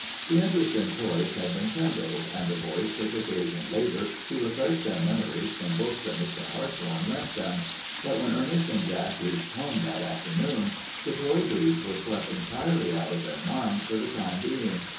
The interest in toys had been kindled, and the boys took occasion later to refresh their memories from books that Mr. Hartshorn lent them, but when Ernest and Jack reached home that afternoon the toy breeds were swept entirely out of their minds for the time being.